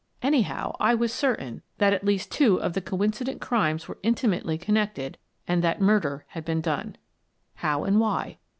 Anyhow, I was certain that at least two of the coincident crimes were intimately connected and that murder had been done. How and why?